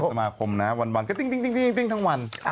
สมาคมนะครับวันติ๊งทั้งวัน